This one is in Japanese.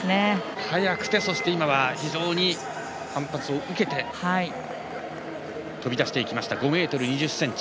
速くて非常に反発を受けて跳び出していきました５ｍ２０ｃｍ。